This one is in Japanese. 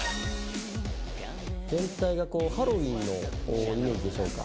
全体がハロウィーンのイメージでしょうか？